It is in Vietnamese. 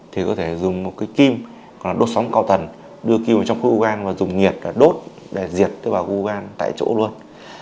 thì có thể dùng kim đốt sóng cao tần đưa kim vào trong khu ung thư gan và dùng nhiệt đốt để diệt tế bào ung thư gan tại chỗ luôn